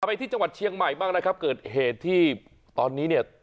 ไปที่จังหวัดเชียงใหม่บ้างนะครับเกิดเหตุที่ตอนนี้เนี่ย